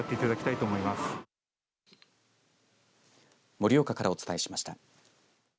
盛岡からお伝えしました。